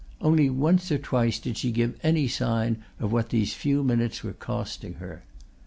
Only once or twice did she give any sign of what these few minutes were costing her.